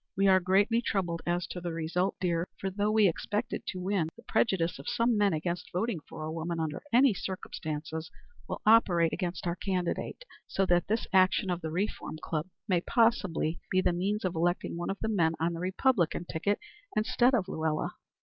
We are greatly troubled as to the result, dear, for though we expect to win, the prejudice of some men against voting for a woman under any circumstances will operate against our candidate, so that this action of the Reform Club may possibly be the means of electing one of the men on the Republican ticket instead of Luella.